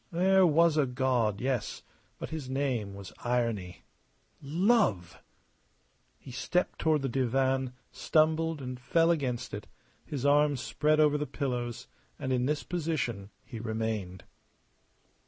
There was a God, yes, but his name was Irony. Love! He stepped toward the divan, stumbled, and fell against it, his arms spread over the pillows; and in this position he remained.